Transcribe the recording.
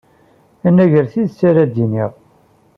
Anagar tidet ara d-iniɣ.